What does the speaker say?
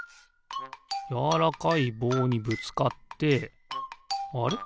やわらかいぼうにぶつかってあれ？